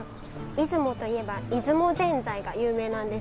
出雲といえば出雲ぜんざいが有名なんですけども。